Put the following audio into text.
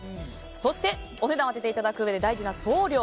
そして、お値段を当てていただくうえで大事な送料。